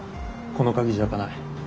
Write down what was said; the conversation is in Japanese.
この鍵じゃ開かない。